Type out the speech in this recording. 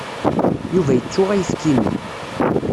Yuba yettu ayefki-nni.